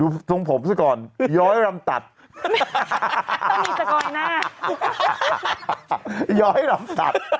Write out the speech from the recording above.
ดูตรงผมก่อนย้อยรัมตัดร้อยหน้า